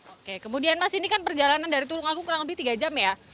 oke kemudian mas ini kan perjalanan dari tulung agung kurang lebih tiga jam ya